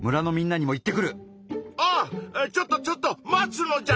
あちょっとちょっと待つのじゃ！